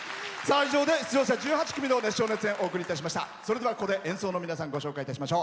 以上で出場者１８組の熱唱・熱演お送りいたしました。